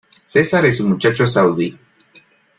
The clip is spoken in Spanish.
Cesar es un muchacho saudí.